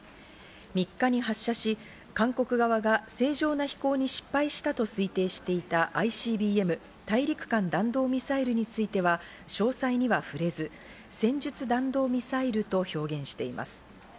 ３日に発射し、韓国側が正常な飛行に失敗したと推定していたＩＣＢＭ＝大陸間弾道ミサイルについては、詳細には触れず、戦術弾道ミサイルと表現しています。